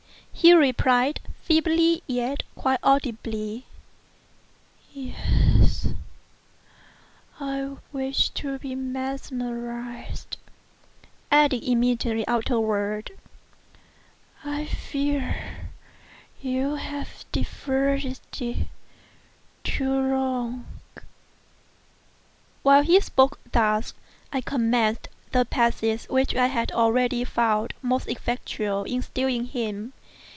He replied feebly, yet quite audibly, "Yes, I wish to be. I fear you have mesmerized"—adding immediately afterwards: "I fear you have deferred it too long." While he spoke thus, I commenced the passes which I had already found most effectual in subduing him.